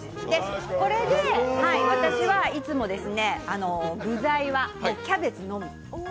これで私はいつも具材はキャベツのみ。